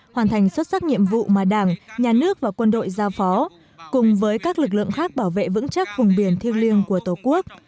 hoàn thành xuất sắc nhiệm vụ mà đảng nhà nước và quân đội giao phó cùng với các lực lượng khác bảo vệ vững chắc vùng biển thiêng liêng của tổ quốc